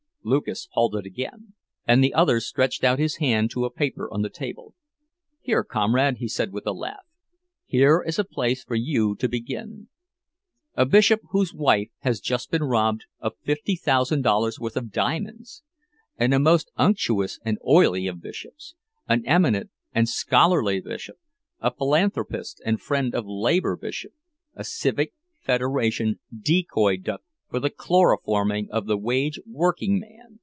—" Lucas halted again; and the other stretched out his hand to a paper on the table. "Here, comrade," he said, with a laugh, "here is a place for you to begin. A bishop whose wife has just been robbed of fifty thousand dollars' worth of diamonds! And a most unctuous and oily of bishops! An eminent and scholarly bishop! A philanthropist and friend of labor bishop—a Civic Federation decoy duck for the chloroforming of the wage working man!"